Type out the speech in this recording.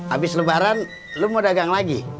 habis lebaran lu mau dagang lagi